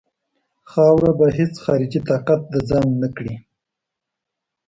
خاوره به هیڅ خارجي طاقت د ځان نه کړي.